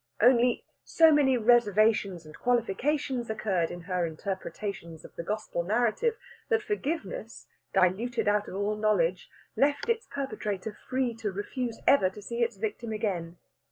Only, so many reservations and qualifications occurred in her interpretations of the Gospel narrative that forgiveness, diluted out of all knowledge, left its perpetrator free to refuse ever to see its victim again.